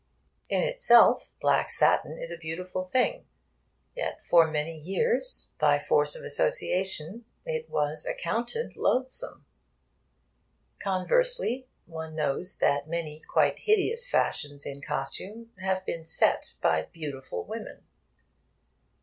In itself black satin is a beautiful thing. Yet for many years, by force of association, it was accounted loathsome. Conversely, one knows that many quite hideous fashions in costume have been set by beautiful women.